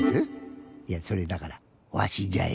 いやそれだからわしじゃよ。